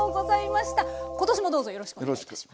今年もどうぞよろしくお願いします。